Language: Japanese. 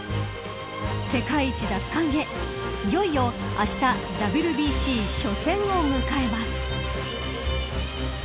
世界一奪還へいよいよあしたＷＢＣ初戦を迎えます。